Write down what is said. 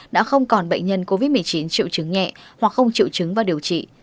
đã không còn bệnh nhân covid một mươi chín triệu chứng nhẹ hoặc không chịu chứng và điều trị